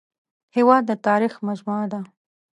هېواد د تاریخ مجموعه ده